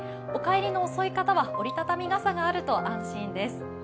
お帰りの遅い方は、折り畳み傘があると安心です。